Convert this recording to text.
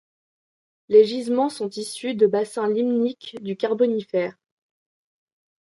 Les gisements sont issus de bassins limniques du Carbonifère.